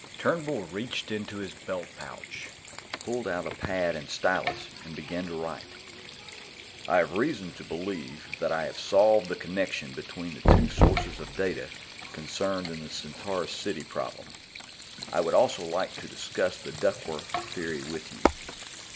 Turnbull reached into his belt pouch, pulled out a pad and stylus, and began to write. _I have reason to believe that I have solved the connection between the two sources of data concerned in the Centaurus City problem. I would also like to discuss the Duckworth theory with you.